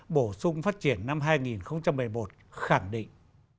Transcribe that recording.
bổ sung phát triển năm hai nghìn một mươi một khẳng định